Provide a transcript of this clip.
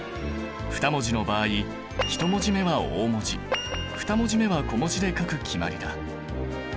２文字の場合１文字目は大文字２文字目は小文字で書く決まりだ。